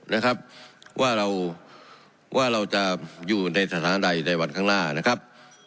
นะครับว่าเราว่าเราจะอยู่ในสถานใดในวันข้างหน้านะครับ